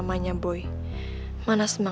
ah boleh bisa